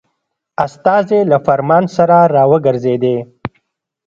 استازی له فرمان سره را وګرځېدی.